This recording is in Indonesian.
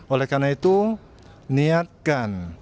oleh karena itu niatkan